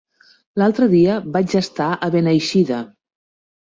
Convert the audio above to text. L'altre dia vaig estar a Beneixida.